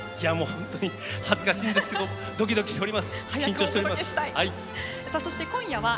本当に恥ずかしいんですけどドキドキしております。